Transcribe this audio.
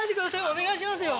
お願いしますよ。